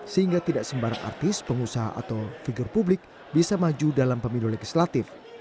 sehingga tidak sembarang artis pengusaha atau figur publik bisa maju dalam pemilu legislatif